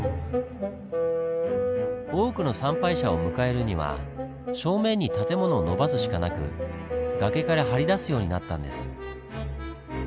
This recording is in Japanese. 多くの参拝者を迎えるには正面に建物を延ばすしかなく崖から張り出すようになったんです。